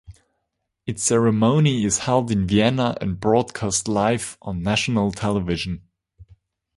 Its ceremony is held in Vienna and broadcast live on national television.